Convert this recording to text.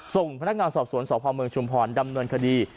ส่งพนักงานสอบสวนสพเมืองชุมพรดำเนินคดี